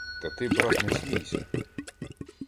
Та ти, брат, не смійся!